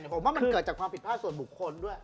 ผมว่ามันเกิดจากความผิดพลาดส่วนบุคคลด้วย